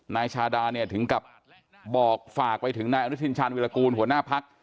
นายชาดาเนี่ยถึงกับบอกฝากไปถึงนายอนุทินชาญวิรากูลหัวหน้าพัก